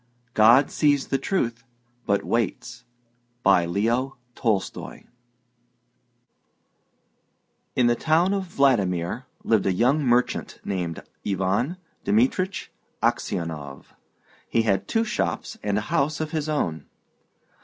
GOD SEES THE TRUTH, BUT WAITS BY LEO N. TOLSTOY In the town of Vladimir lived a young merchant named Ivan Dmitrich Aksionov. He had two shops and a house of his own.